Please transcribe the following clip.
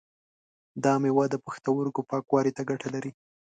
دا مېوه د پښتورګو پاکوالی ته ګټه لري.